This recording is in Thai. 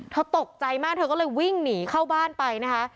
ตกใจมากเธอก็เลยวิ่งหนีเข้าบ้านไปนะคะ